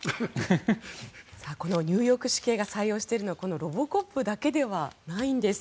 このニューヨーク市警が採用しているのはロボコップだけではないんです。